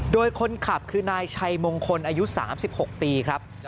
โดยคนขับคือนายชัยมงคลอายุ๓๖ปีครับ